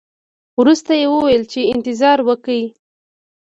ورسته یې وویل چې انتظار وکړئ.